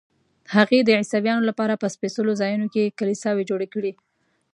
هغې د عیسویانو لپاره په سپېڅلو ځایونو کې کلیساوې جوړې کړې.